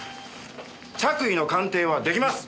着衣の鑑定は出来ます！